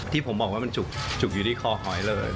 ที่ผมบอกว่ามันจุกอยู่ที่คอหอยเลย